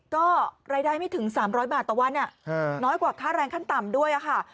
ก็รายได้ไม่ถึง๓๐๐บาทต่อวันน้อยกว่าค่าแรงขั้นต่ำด้วยค่ะ